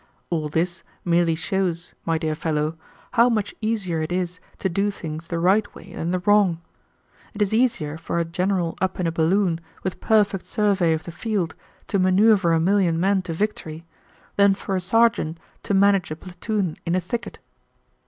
All this merely shows, my dear fellow, how much easier it is to do things the right way than the wrong. It is easier for a general up in a balloon, with perfect survey of the field, to manoeuvre a million men to victory than for a sergeant to manage a platoon in a thicket."